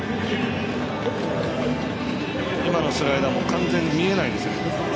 今のスライダーも完全に見えないんですね。